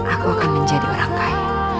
aku akan menjadi orang kaya